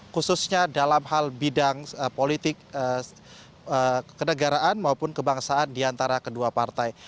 khususnya dalam hal bidang politik kenegaraan maupun kebangsaan di antara kedua partai